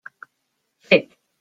Fet!